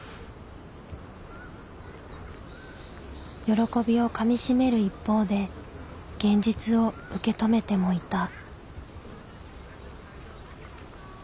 喜びをかみしめる一方で現実を受け止めてもいた。